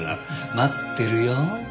待ってるよ。